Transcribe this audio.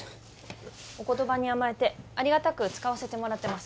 お言葉に甘えてありがたく使わせてもらってます